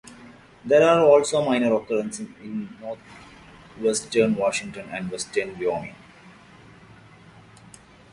There are also minor occurrences in northwestern Washington and western Wyoming.